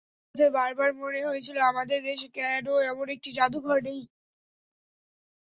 ফেরার পথে বারবার মনে হয়েছিল, আমাদের দেশে কেন এমন একটি জাদুঘর নেই।